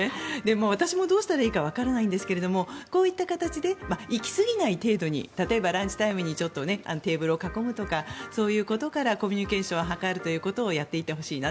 私もどうしたらいいかわからないんですがこういった形で行きすぎない程度に例えばランチタイムにテーブルを囲むとかそういうことからコミュニケーションを図るということをやっていってほしいなと。